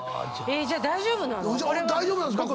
じゃあ大丈夫なの⁉大丈夫なんですか？